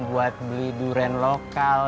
buat beli durian lokal